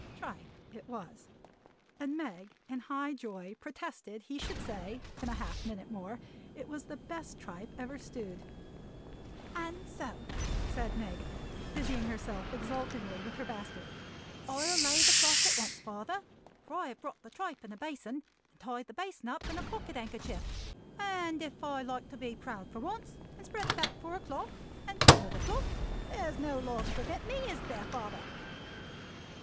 Tripe it was; and Meg, in high joy, protested he should say, in half a minute more, it was the best tripe ever stewed. "And so," said Meg, busying herself exultingly with her basket; "I'll lay the cloth at once, father; for I have brought the tripe in a basin, and tied the basin up in a pocket handkerchief; and if I like to be proud for once, and spread that for a cloth, and call it a cloth, there's no law to prevent me; is there father?"